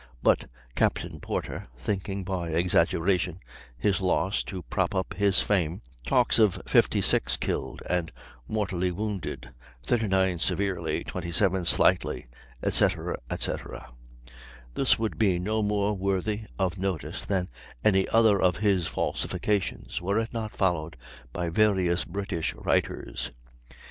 But Capt. Porter, thinking by exaggerating his loss to prop up his fame, talks of 58 killed and mortally wounded, 39 severely, 27 slightly," etc., etc. This would be no more worthy of notice than any other of his falsifications, were it not followed by various British writers.